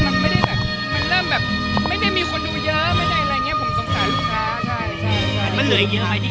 มันไม่ได้แบบมันเริ่มแบบไม่ได้มีคนดูเยอะไม่ได้อะไรอย่างเงี้ยผมสงสัย